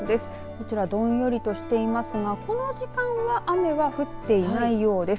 こちら、どんよりとしていますがこの時間は雨は降っていないようです。